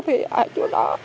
thì ở chỗ đó